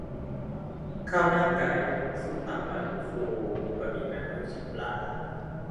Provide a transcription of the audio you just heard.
ข้าวหน้าไก่ ส้มตำปลาดุกฟู บะหมี่น้ำลูกชิ้นปลา